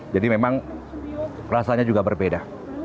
jadi memang rasanya juga berbeda